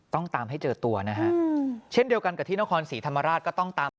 ตามให้เจอตัวนะฮะเช่นเดียวกันกับที่นครศรีธรรมราชก็ต้องตามไป